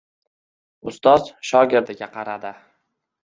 Ustoz shogirdiga qaradi